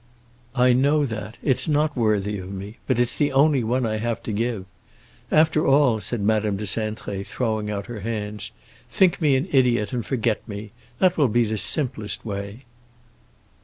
"I know that; it's not worthy of me. But it's the only one I have to give. After all," said Madame de Cintré, throwing out her hands, "think me an idiot and forget me! That will be the simplest way."